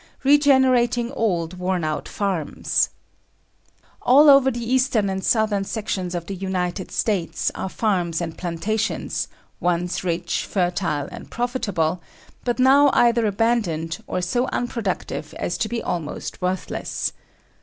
Regenerating Old, Worn Out Farms. All over the Eastern and Southern sections of the United States are farms and plantations, once rich, fertile and profitable, but now either abandoned, or so unproductive as to be almost worthless.